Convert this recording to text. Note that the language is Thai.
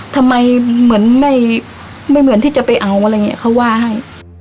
ทำไมเหมือนไม่เหมือนที่จะไปเอาอะไรอย่างนี้เขาว่าให้